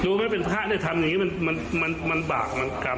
รู้ไหมเป็นภาคเล่นทำบังวลมันบากมันกรรม